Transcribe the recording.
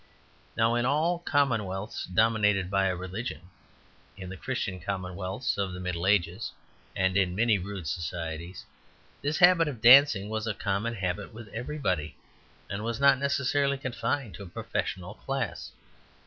Now, in all commonwealths dominated by a religion in the Christian commonwealths of the Middle Ages and in many rude societies this habit of dancing was a common habit with everybody, and was not necessarily confined to a professional class.